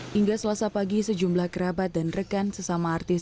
hingga selasa pagi sejumlah kerabat dan rekan sesama artis